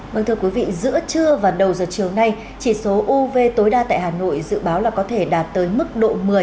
vâng thưa quý vị giữa trưa và đầu giờ chiều nay chỉ số uv tối đa tại hà nội dự báo là có thể đạt tới mức độ một mươi